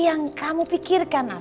yang kamu pikirkan